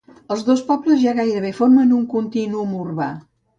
Els dos pobles ja gairebé formen un contínuum urbà.